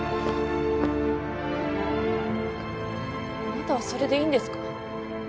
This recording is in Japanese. あなたはそれでいいんですか？